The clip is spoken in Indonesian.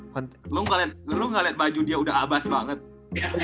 lu gak liat baju dia udah abas banget